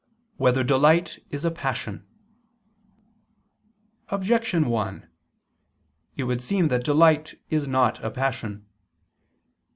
1] Whether Delight Is a Passion? Objection 1: It would seem that delight is not a passion.